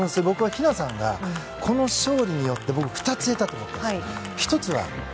ひなさんがこの勝利によって僕、２つ得たと思っています。